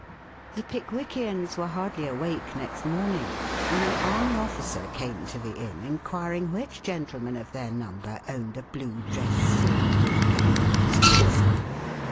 The Pickwickians were hardly awake next morning when an army officer came to the inn inquiring which gentleman of their number owned a blue dress suit with gilt buttons.